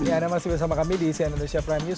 ya anda masih bersama kami di cnn indonesia prime news